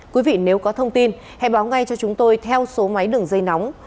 quý vị nếu có thông tin hãy báo ngay cho chúng tôi theo số máy đường dây nóng